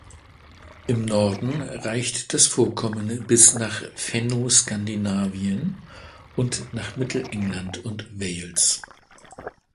Im Norden reicht das Vorkommen bis nach Fennoskandinavien und nach Mittelengland und Wales.